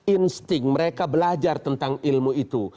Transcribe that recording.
insting mereka belajar tentang ilmu itu